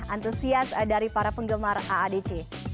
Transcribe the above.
antusias dari para penggemar aadc